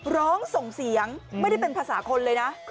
ร้องส่งเสียงไม่ได้เป็นภาษาคนเลยนะ